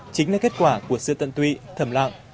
chính là kết quả của sự tận tụy thầm lặng